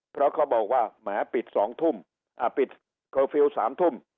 เพราะเขาบอกว่าแหมปิดสองทุ่มอ่ะปิดสามทุ่ม